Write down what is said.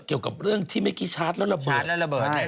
เกี่ยวกับเรื่องที่เมคซีชาร์จแล้วระเบิด